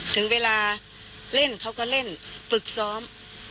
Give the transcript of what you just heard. ถึงเวลาเล่นเขาก็เล่นฝึกซ้อม